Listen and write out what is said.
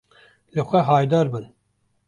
Li xwe haydarbin.